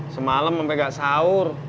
semalem sampe gak sahur